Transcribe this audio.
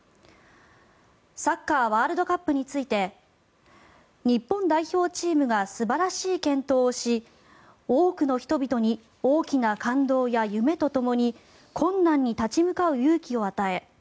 サッカーワールドカップについて日本代表チームが素晴らしい健闘をし多くの人々に大きな感動や夢とともに困難に立ち向かう勇気を与え